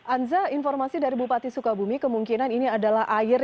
anza informasi dari bupati sukabumi kemungkinan ini adalah air